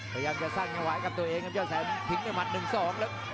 พยายามจะสร้างจังหวะกับตัวเองครับยอดแสนทิ้งด้วยหมัด๑๒แล้ว